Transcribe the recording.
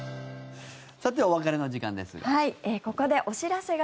さてお別れの時間ですが。